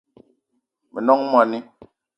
Me nong moni